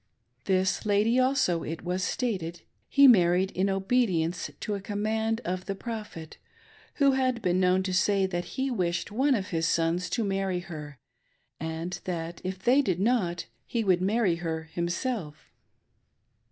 This lady also, it was stated, he married in obedience to a command of the Prophet, who had 6X2 MEETING HIS "AFFINITY." been known to say that he wished one of his sons to marry her and that, if they did not, he would marry her himself.